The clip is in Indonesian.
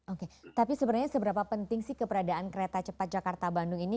oke tapi sebenarnya seberapa penting sih keberadaan kereta cepat jakarta bandung ini